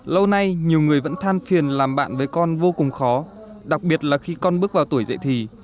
lâu nay nhiều người vẫn than phiền làm bạn với con vô cùng khó đặc biệt là khi con bước vào tuổi dậy thì